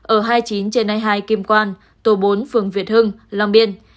ở hai mươi chín trên đài truyền